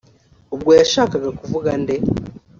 ubwo yashakaga kuvuga nde